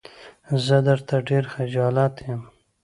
زه درته ډېر خجالت يم.